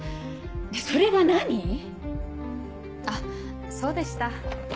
それが何⁉あっそうでした。